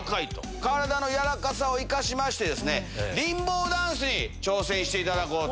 体の柔らかさを生かしまして、リンボーダンスに挑戦していただこうと。